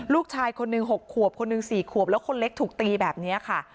ลูกชายคนหนึ่ง๖ขวบคนหนึ่ง๔ขวบแล้วคนเล็กถูกตีแบบนี้ค่ะ